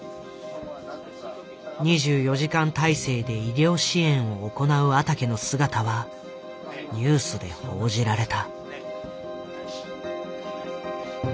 ２４時間態勢で医療支援を行う阿竹の姿はニュースで報じられた。